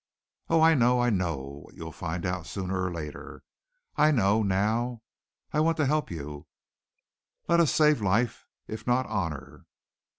"Oh, I know I know what you'll find out sooner or later. I know now! I want to help you. Let us save life, if not honor.